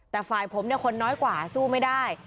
แต่ฝ่ายผมเนี่ยคนน้อยกว่าสู้ไม่ได้